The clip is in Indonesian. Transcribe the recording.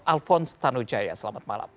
alphonse tanujaya selamat malam